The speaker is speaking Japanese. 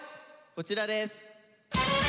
こちらです！